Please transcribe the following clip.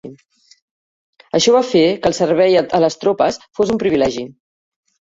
Això va fer que el servei a les tropes fos un privilegi.